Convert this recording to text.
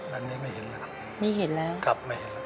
ครับไม่เห็นแล้วครับ